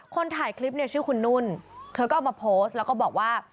คนถ่ายคลิปเนี่ยชื่อคุณนุ่นเธอก็เอามาโพสต์แล้วก็บอกว่า